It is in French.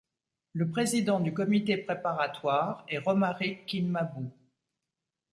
Le président du comité préparatoire est Romaric Kinmabou.